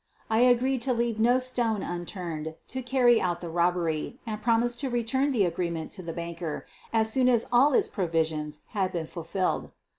I agreed to leave no stone unturned to carry out the robbery and promised to return the agreement to the banker as soon as all its provisions had been fulfilled.